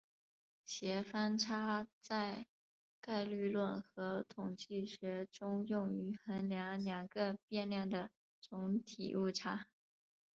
协方差在概率论和统计学中用于衡量两个变量的总体误差。